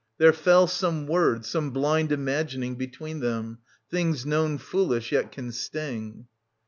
There fell some word, some blind imagining Between them. Things known foolish yet can sting.